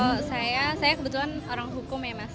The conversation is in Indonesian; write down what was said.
kalau saya saya kebetulan orang hukum ya mas